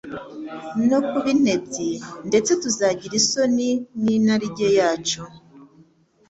no kuba intebyi ndetse tuzagira isoni z'inarijye yacu.